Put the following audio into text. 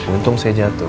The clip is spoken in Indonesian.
untung saya jatuh